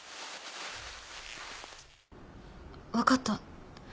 分かった。